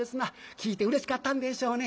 聞いてうれしかったんでしょうね。